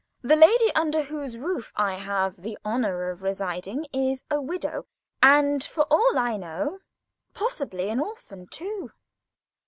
The lady under whose roof I have the honour of residing is a widow, and, for all I know, possibly an orphan too.